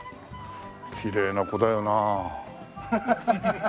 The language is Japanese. きれいな子だよな。